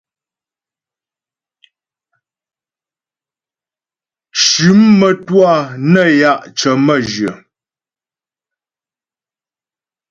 Tʉ̌m mə́twâ nə́ ya' cə̀ mə́jyə.